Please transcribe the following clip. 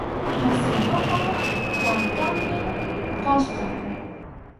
Jacintoqa wankanpim kachkan.